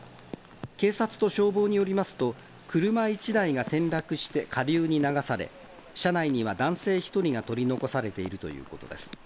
警察と消防によりますと、車１台が転落して下流に流され、車内には、男性１人が取り残されているということです。